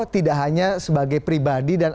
tidak hanya sebagai pribadi dan